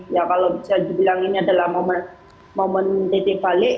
ya kalau bisa dibilang ini adalah momen titik balik